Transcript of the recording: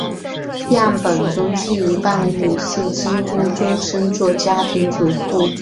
样本中近一半的女性几乎终生做家庭主妇。